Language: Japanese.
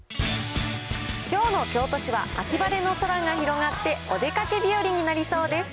きょうの京都市は秋晴れの空が広がって、お出かけ日和になりそうです。